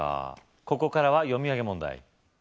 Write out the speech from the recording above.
ここからは読み上げ問題